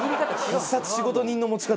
『必殺仕事人』の持ち方。